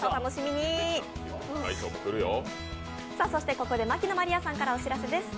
ここで牧野真莉愛さんからお知らせです。